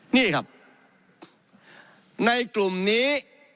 นี่ครับในกลุ่มนี้